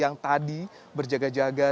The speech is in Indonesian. yang tadi berjaga jaga